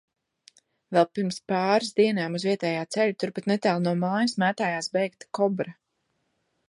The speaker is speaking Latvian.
Vēl pirms pāris dienām uz vietējā ceļa, turpat netālu no mājas, mētājās beigta kobra.